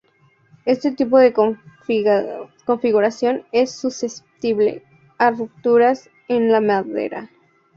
Este tipo de configuración es susceptible a rupturas en la madera.